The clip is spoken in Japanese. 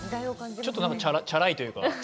ちょっとチャラいっていうか。